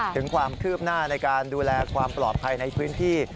ถึงความคืบหน้าในการดูแลความปลอดภัยในพื้นที่